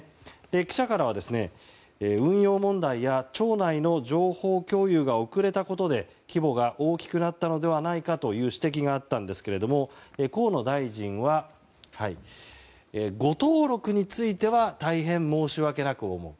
記者からは、運用問題や庁内の情報共有が遅れたことで規模が大きくなったのではないかという指摘があったんですが河野大臣は、誤登録については大変申し訳なく思う。